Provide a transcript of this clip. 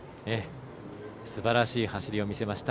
すばらしい走りを見せました。